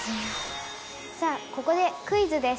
「さあここでクイズです」